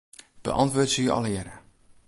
Beäntwurdzje allegearre.